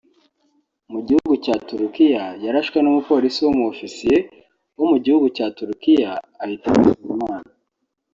Mu gihugu cya Turukiya yarashwe n'umupolisi w'Umu-ofisiye wo mu gihugu cya Turukiya ahita yitaba Imana